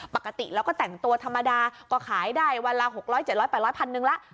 ปกติแล้วก็แต่งตัวธรรมดาก็ขายได้วันละ๖๐๐๗๐๐๘๐๐พันหนึ่งละ